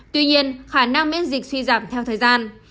tuy nhiên khả năng miễn dịch suy giảm theo thời gian